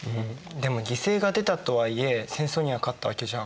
でも犠牲が出たとはいえ戦争には勝ったわけじゃん。